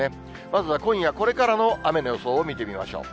まずは今夜これからの雨の予想を見てみましょう。